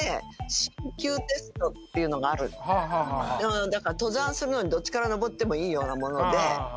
ただだから登山するのにどっちから登ってもいいようなもので。